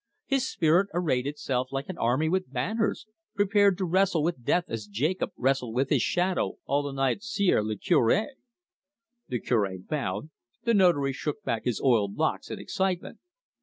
His spirit arrayed itself like an army with banners, prepared to wrestle with death as Jacob wrestled with his shadow all the night 'sieur le Cure!" The Cure bowed; the Notary shook back his oiled locks in excitement.